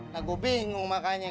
nah gue bingung makanya